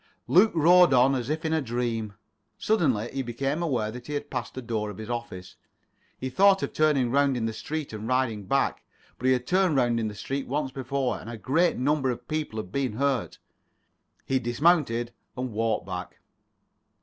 Luke rode on as if in a dream. Suddenly he became aware that he had passed the door of his office. He thought of turning round in the street and riding back, but he had turned round in the street once before, and a great number of people had been hurt. He dismounted and walked back.